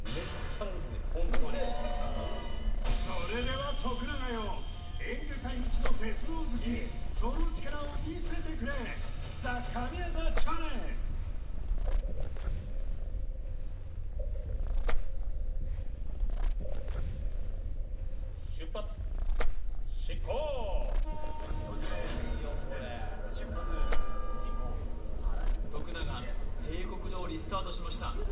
ムズイそれでは徳永よ演歌界一の鉄道好きその力を見せてくれ徳永定刻どおりスタートしました